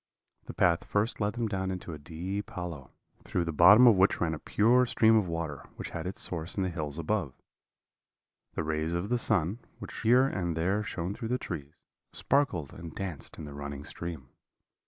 "The path first led them down into a deep hollow, through the bottom of which ran a pure stream of water, which had its source in the hills above. The rays of the sun, which here and there shone through the trees, sparkled and danced in the running stream.